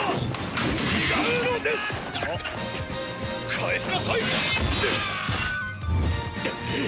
返しなさい！